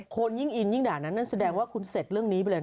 คนยิ่งอินยิ่งด่านั้นนั่นแสดงว่าคุณเสร็จเรื่องนี้ไปเลย